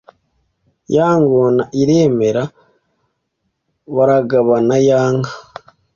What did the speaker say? Ya ngona iremera baragabana yanka